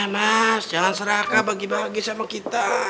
mas jangan seraka bagi bagi sama kita